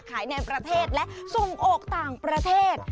ในประเทศและส่งออกต่างประเทศ